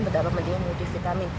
berapa pentingnya multivitamin